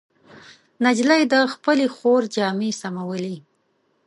نجلۍ د خپلې خور جامې سمولې.